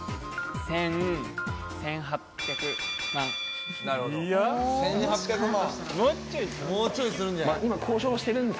１８００万円。